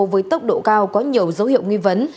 với tốc độ cao có nhiều dấu hiệu nghi vấn